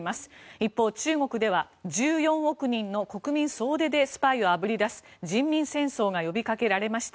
一方、中国では１４億人の国民総出でスパイをあぶり出す人民戦争が呼びかけられました。